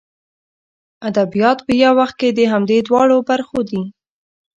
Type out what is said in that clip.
ادبیات په یو وخت کې د همدې دواړو برخو دي.